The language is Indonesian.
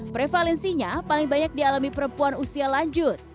prevalensinya paling banyak dialami perempuan usia lanjut